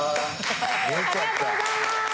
ありがとうございます